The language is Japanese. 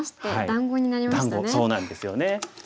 団子そうなんですよね。